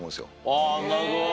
あなるほど。